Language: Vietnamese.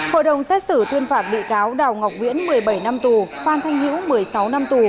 hội đồng xét xử tuyên phạt bị cáo đào ngọc viễn một mươi bảy năm tù phan thanh hữu một mươi sáu năm tù